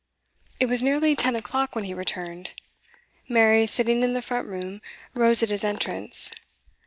It was nearly ten o'clock when he returned. Mary, sitting in the front room, rose at his entrance.